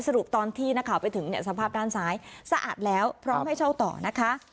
สรุปตอนที่ไปถึงสภาพด้านซ้ายสะอาดแล้วพร้อมให้เช่าต่อนะคะ